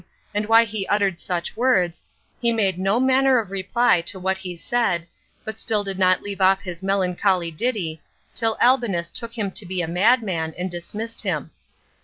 and why he uttered such words? he made no manner of reply to what he said, but still did not leave off his melancholy ditty, till Albinus took him to be a madman, and dismissed him.